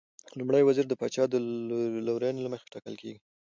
لومړی وزیر د پاچا د لورینې له مخې ټاکل کېږي.